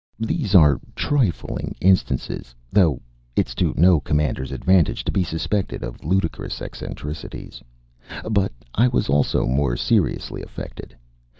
These are trifling instances, though it's to no commander's advantage to be suspected of ludicrous eccentricities. But I was also more seriously affected.